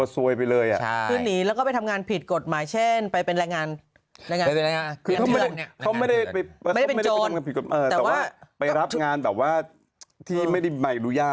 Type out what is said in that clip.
สวยเลยคลัวสวยไปเลยอะ